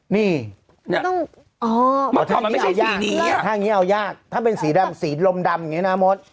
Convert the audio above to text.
นี่ถ้ามันไม่ใช่ยากถ้าอย่างนี้เอายากถ้าเป็นสีดำสีลมดำอย่างนี้นะมด